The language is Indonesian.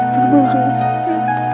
terima kasih pak ustadz